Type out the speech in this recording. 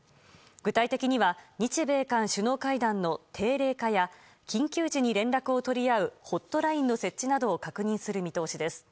具体的には日米韓首脳会談の定例化や緊急時に連絡を取り合うホットラインの設置などを確認する見通しです。